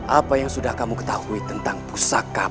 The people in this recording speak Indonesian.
apa yang sudah kamu ketahui tentang pusaka